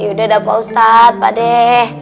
ya udah da pak ustadz pak dek